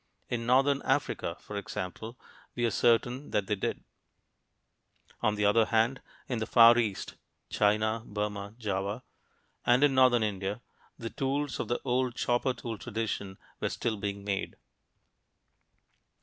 In northern Africa, for example, we are certain that they did (see chart, p. 72). On the other hand, in the Far East (China, Burma, Java) and in northern India, the tools of the old chopper tool tradition were still being made.